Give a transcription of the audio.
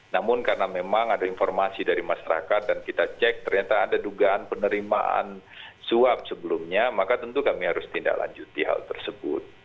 namun karena memang ada informasi dari masyarakat dan kita cek ternyata ada dugaan penerimaan suap sebelumnya maka tentu kami harus tindak lanjuti hal tersebut